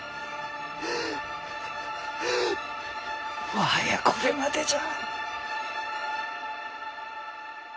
もはやこれまでじゃ。